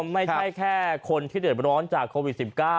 ไม่ใช่แค่คนที่เดือดร้อนจากโควิด๑๙